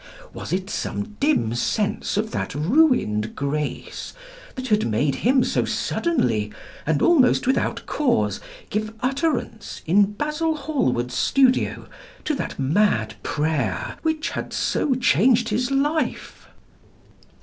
Was it some dim sense of that ruined grace that had made him so suddenly, and almost without cause, give utterance, in Basil Hallward's studio, to that mad prayer which had so changed his life?